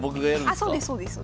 あそうです